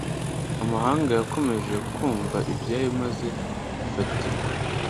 amahanga yakomeje kumva ibyayo maze ifatirwa